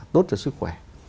tốt cho sức khỏe